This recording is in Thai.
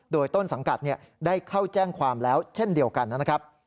โดยต้นสังกัดได้เข้าแจ้งความแล้วเช่นเดียวกันนะครับ